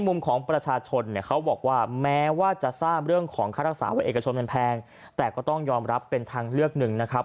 โรงพยาบาลรักษาก็ยอมรับเป็นทางเลือกหนึ่งนะครับ